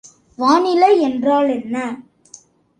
வானிலை என்றால் என்ன?